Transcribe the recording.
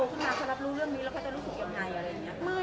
ถ้าตัวมาใช้หลับลูกในรู้สึกลงอย่างไร